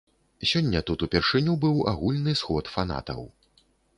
Сёння тут упершыню быў агульны сход фанатаў.